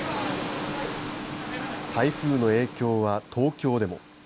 台風の影響は東京でも。